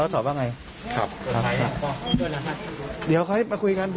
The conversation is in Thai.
ก็จะใช้เวลานานไหมครับในการให้การปากคำ